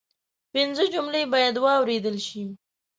پنځه جملې باید واوریدل شي